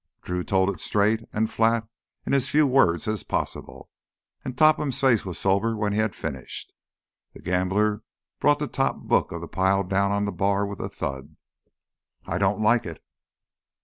Drew told it straight and flat in as few words as possible. And Topham's face was sober when he had finished. The gambler brought the top book of the pile down on the bar with a thud. "I don't like it!"